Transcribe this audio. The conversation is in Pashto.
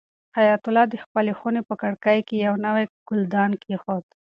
حیات الله د خپلې خونې په کړکۍ کې یو نوی ګلدان کېښود.